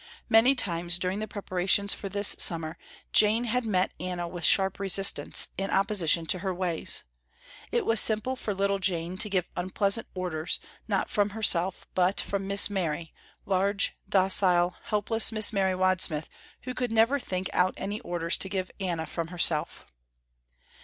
Many times during the preparations for this summer, Jane had met Anna with sharp resistance, in opposition to her ways. It was simple for little Jane to give unpleasant orders, not from herself but from Miss Mary, large, docile, helpless Miss Mary Wadsmith who could never think out any orders to give Anna from herself.